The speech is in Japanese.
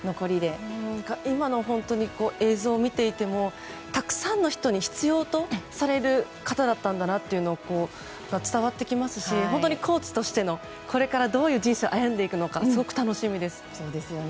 今の映像を見ていてもたくさんの人に必要とされる方だったんだなというのが伝わってきますし本当にコーチとしてこれからどういう人生を歩んでいくのかすごく楽しみです。